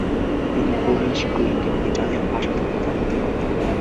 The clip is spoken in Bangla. তিনি পোলিশ, গ্রীক এবং ইটালিয়ান ভাষাতেও কথা বলতে পারতেন।